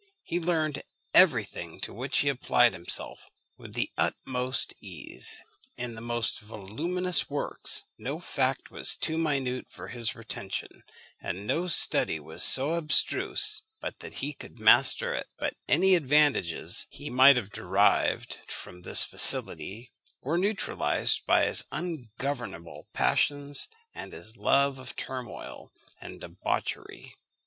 He learned every thing to which he applied himself with the utmost ease. In the most voluminous works no fact was too minute for his retention, and no study was so abstruse but that he could master it; but any advantages he might have derived from this facility were neutralised by his ungovernable passions and his love of turmoil and debauchery.